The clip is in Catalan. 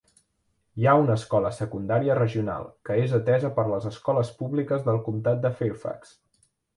Hi ha una escola secundària regional, que és atesa per les Escoles Públiques del Comtat de Fairfax.